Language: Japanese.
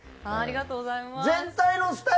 ありがとうございます。